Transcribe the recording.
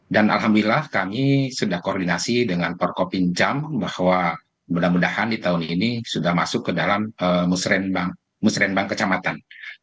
dan alhamdulillah kami sudah koordinasi dengan perkopin jam bahwa mudah mudahan di tahun ini sudah masuk ke dalam musrembang kecamatan